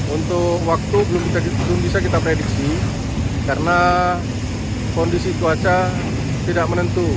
untuk waktu belum bisa kita prediksi karena kondisi cuaca tidak menentu